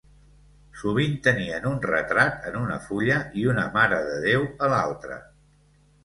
Sovint tenien un retrat en una fulla i una Mare de Déu a l'altra.